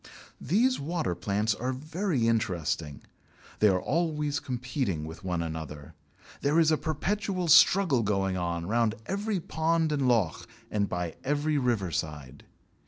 These water plants are very interesting. They are always competing with one another. There is a perpetual struggle going on round every pond and loch, and by every river side.